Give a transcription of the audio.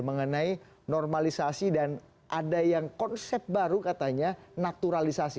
mengenai normalisasi dan ada yang konsep baru katanya naturalisasi